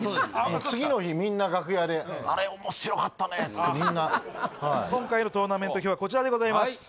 次の日みんな楽屋であれおもしろかったねっつってみんな今回のトーナメント表はこちらでございます